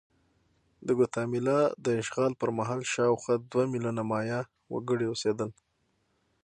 د ګواتیمالا د اشغال پر مهال شاوخوا دوه میلیونه مایا وګړي اوسېدل.